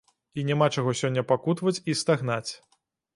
І няма чаго сёння пакутаваць і стагнаць.